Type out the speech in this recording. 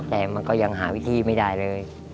แต่มันก็ยังหาวิธีไม่ได้เลย